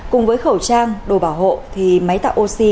cùng với khẩu trang đồ bảo hộ thì máy tạo oxy